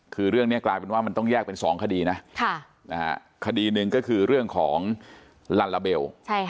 คือเรื่องนี้กลายเป็นว่ามันต้องแยกเป็น๒คดีนะคดีหนึ่งก็คือเรื่องของลัลลาเบล